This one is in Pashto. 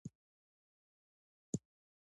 پوهه د ژوند ستونزې حلوي.